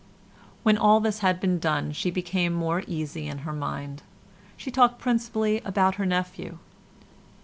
When all this had been done she became more easy in her mind. She talked principally about her nephew.